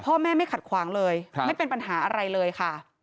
พ่อแม่ไม่ขัดขวางเลยไม่เป็นปัญหาอะไรเลยค่ะ